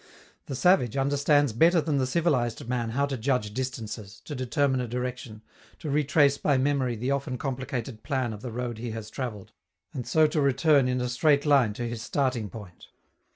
The savage understands better than the civilized man how to judge distances, to determine a direction, to retrace by memory the often complicated plan of the road he has traveled, and so to return in a straight line to his starting point.